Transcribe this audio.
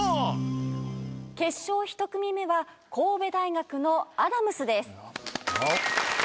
決勝１組目は神戸大学のアダムスです。